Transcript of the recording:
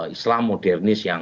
islam modernis yang